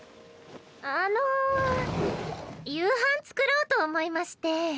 ・あの夕飯作ろうと思いまして。